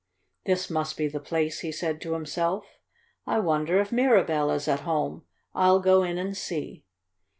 "This must be the place," he said to himself. "I wonder if Mirabell is at home. I'll go in and see."